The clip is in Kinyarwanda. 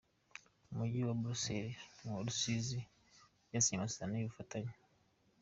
Umujyi wa Buluseri n’uwa Rusizi byasinye amasezerano y’ubufatanye